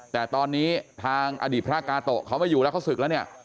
แต่ตอนนี้ทางอดีตพระกาโตะเขาไม่อยู่แล้วเขาศึกแล้วเนี่ย